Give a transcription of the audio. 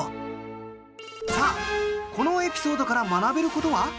さあこのエピソードから学べる事は？